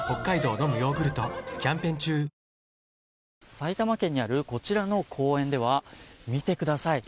埼玉県にあるこちらの公園では見てください。